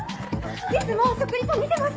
いつも食リポ見てます！